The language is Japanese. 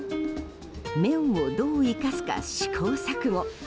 麺をどう生かすか試行錯誤。